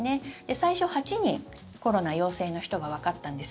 最初８人、コロナ陽性の人がわかったんです。